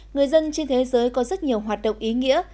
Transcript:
người dân trên thế giới có rất nhiều hoạt động ý nghĩa